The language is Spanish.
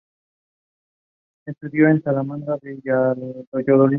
Estudió en Salamanca y Valladolid.